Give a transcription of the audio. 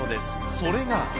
それが。